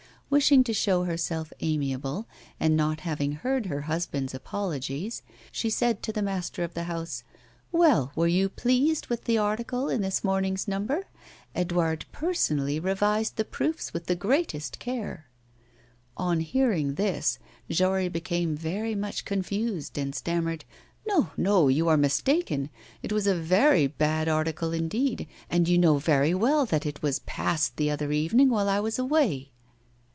Wishing to show herself amiable, and not having heard her husband's apologies, she said to the master of the house: 'Well, were you pleased with the article in this morning's number? Edouard personally revised the proofs with the greatest care!' On hearing this, Jory became very much confused and stammered: 'No, no! you are mistaken! It was a very bad article indeed, and you know very well that it was "passed" the other evening while I was away.